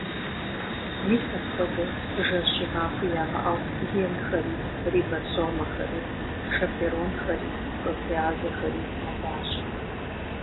Мис апхуэдэу жэщи махуи ямыӏэу генхэри, рибосомэхэри, шэперонхэри, протеазэхэри мэлажьэ.